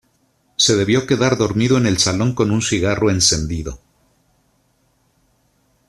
Se debió quedar dormido en el salón con un cigarro encendido.